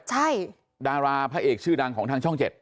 ใช่ดาราพระเอกชื่อดังของทางช่อง๗